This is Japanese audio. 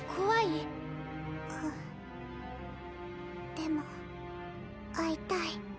でも会いたい。